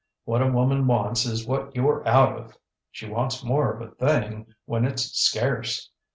What a woman wants is what youŌĆÖre out of. She wants more of a thing when itŌĆÖs scarce.